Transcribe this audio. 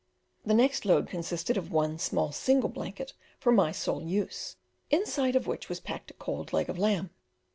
The next load consisted of one small single blanket for my sole use, inside of which was packed a cold leg of lamb.